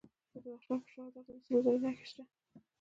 د بدخشان په شهدا کې د سرو زرو نښې شته.